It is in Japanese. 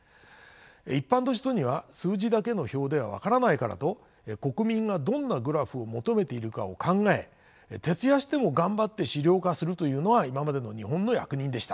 一般の人には数字だけの表では分からないからと国民がどんなグラフを求めているかを考え徹夜しても頑張って資料化するというのが今までの日本の役人でした。